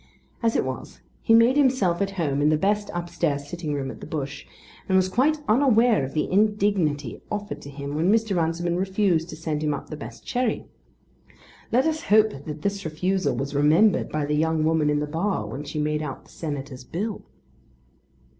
As it was, he made himself at home in the best upstairs sitting room at the Bush, and was quite unaware of the indignity offered to him when Mr. Runciman refused to send him up the best sherry. Let us hope that this refusal was remembered by the young woman in the bar when she made out the Senator's bill.